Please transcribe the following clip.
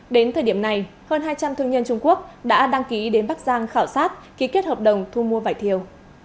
đến thời điểm này hơn hai trăm linh thương nhân trung quốc đã đăng ký đến bắc giang khảo sát ký kết hợp đồng thu mua vải thiều